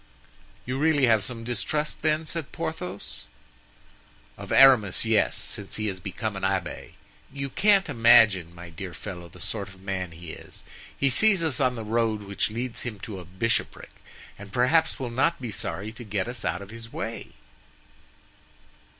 "You really have some distrust, then?" said Porthos. "Of Aramis, yes, since he has become an abbé. You can't imagine, my dear fellow, the sort of man he is. He sees us on the road which leads him to a bishopric, and perhaps will not be sorry to get us out of his way."